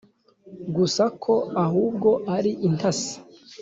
gusa ko ahubwo ari intasi